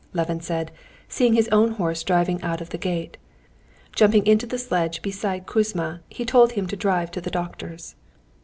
Levin said, seeing his own horse driving out of the gate. Jumping into the sledge beside Kouzma, he told him to drive to the doctor's.